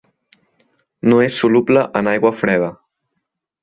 No és soluble en aigua freda.